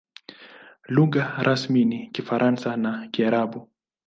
Lugha rasmi ni Kifaransa na Kiarabu.